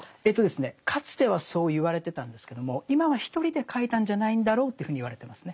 かつてはそう言われてたんですけども今は１人で書いたんじゃないんだろうというふうに言われてますね。